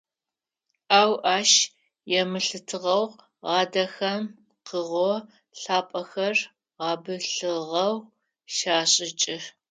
Ау ащ емылъытыгъэу гъэдэхэн пкъыгъо лъапӏэхэр гъэбылъыгъэу хашӏыкӏы.